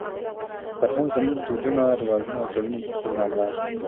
فرهنګ زموږ دودونه، رواجونه او ټولنیز اصول رانغاړي.